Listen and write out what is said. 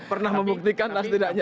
pernah membuktikan atau tidak ya